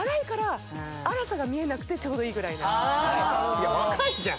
いや若いじゃん！